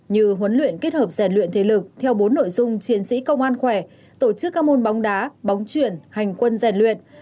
như huấn luyện kết hợp rèn luyện thể lực theo bốn nội dung chiến sĩ công an khỏe tổ chức các môn bóng đá bóng chuyển hành quân rèn luyện